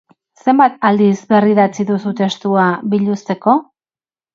Zenbat aldiz berridatzi duzu testua, biluzteko?